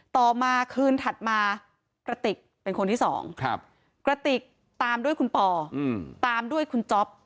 ต่อมาคืนถัดมากระติกเป็นคนที่๒กระติกตามด้วยคุณปอตามด้วยคุณจ๊อป